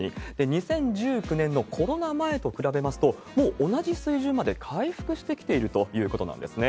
２０１９年のコロナ前と比べますと、もう同じ水準まで回復してきているということなんですね。